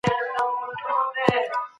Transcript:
تاسي په خپلو خبرو کي پوره صداقت لرئ.